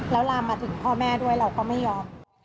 แล้วลามมาถึงพ่อแม่ด้วยเราก็ไม่ยอม